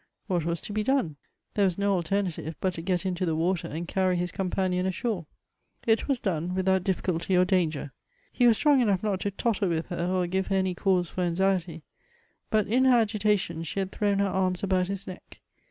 What was to be done ? There was no alternative but to get into the water and carry his companion ashore. It was done without diflSculty or danger. He was strong enough not to totter with her, or give her any cause for anxiety ; but in her agitation she had thrown her arms about his neck.